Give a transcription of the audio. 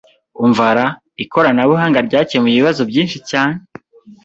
Umva ra! Ikoranabuhanga ryakemuye ibibazo byinshi cyane.